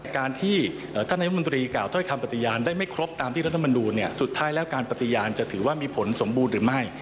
การที่ท่านนายมนตรีกล่าวถ้อยคำปฏิญาณได้ไม่ครบตามที่รัฐมนูลสุดท้ายแล้วการปฏิญาณจะถือว่ามีผลสมบูรณ์หรือไม่